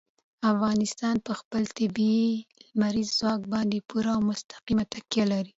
افغانستان په خپل طبیعي لمریز ځواک باندې پوره او مستقیمه تکیه لري.